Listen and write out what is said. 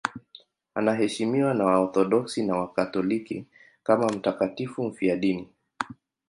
Anaheshimiwa na Waorthodoksi na Wakatoliki kama mtakatifu mfiadini.